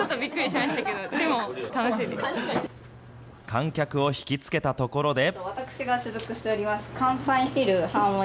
観客を引き付けたところで。